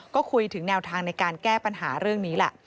ก็คุยถึงแนวทางในการแก้ปัญหาเรื่องนี้แหละ